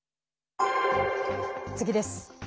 次です。